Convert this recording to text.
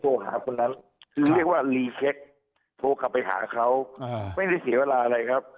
โทรกลับไปหาเขาไม่ได้เสียเวลาอีกครับ